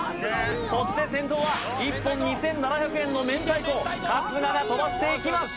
そして先頭は１本２７００円の明太子春日が飛ばしていきます